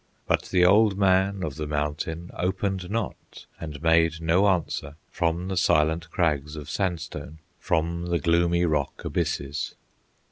But the Old Man of the Mountain Opened not, and made no answer From the silent crags of sandstone, From the gloomy rock abysses.